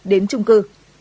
đến chung cư